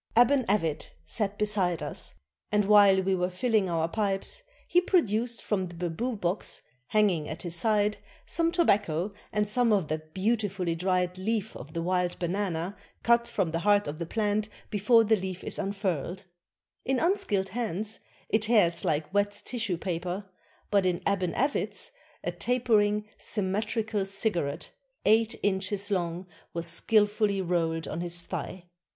] Aban Avit sat beside us, and while we were filling our pipes he produced from the bamboo box, hanging at his side, some tobacco and some of that beautifully dried leaf of the wild banana cut from the heart of the plant, before the leaf is unfurled; in unskilled hands it tears like wet tissue paper, but in Aban Avit's a tapering, symmetrical cigarette, eight inches long, was skillfully rolled on his thigh.